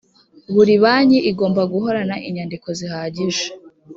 buri banki igomba guhorana inyandiko zihagije